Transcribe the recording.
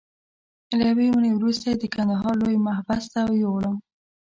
له یوې اونۍ وروسته یې د کندهار لوی محبس ته یووړم.